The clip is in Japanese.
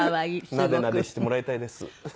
なでなでしてもらいたいです。